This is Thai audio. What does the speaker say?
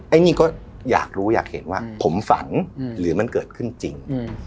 อันนี้ก็อยากรู้อยากเห็นว่าผมฝันหรือมันเกิดขึ้นจริง